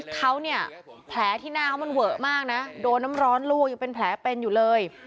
เขาเนี่ยแผลที่หน้าเขามันเวอะมากนะโดนน้ำร้อนลวกยังเป็นแผลเป็นอยู่เลย